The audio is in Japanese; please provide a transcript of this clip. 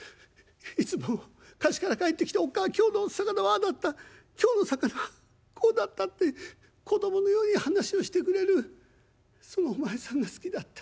いつも河岸から帰ってきて『おっかあ今日の魚はああだった。今日の魚はこうだった』って子供のように話をしてくれるそのお前さんが好きだった。